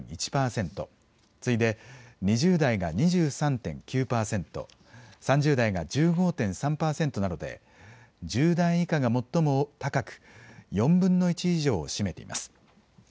次いで２０代が２３．９％、３０代が１５．３％などで、１０代以下が最も高く、４分の１以上を占めています。